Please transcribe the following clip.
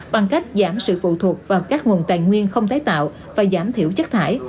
bằng cách giảm sự phụ thuộc vào các nguồn tài nguyên không tái tạo và giảm thiểu chất thải